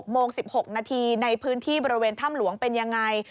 โมง๑๖นาทีในพื้นที่บริเวณถ้ำหลวงเป็นยังไง